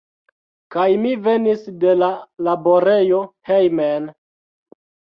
Kaj mi venis de la laborejo hejmen.